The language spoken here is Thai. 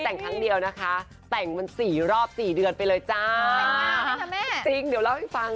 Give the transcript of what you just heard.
ใส่แสงเดียวนะคะแต่งมันสี่รอบสี่เดือนไปเลยจ้าจริงเดี๋ยวแล้วให้ฟาง